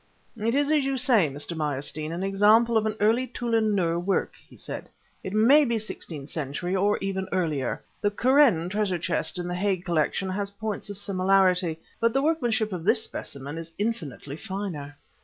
"It is as you say, Mr. Meyerstein, an example of early Tûlun Nûr work," he said. "It may be sixteenth century or even earlier. The Kûren treasure chest in the Hague Collection has points of similarity, but the workmanship of this specimen is infinitely finer."